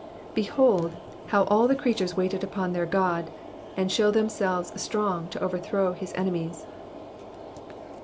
Behold, how all the creatures wait upon their God, ana show themselves strong to overthrow his enemies.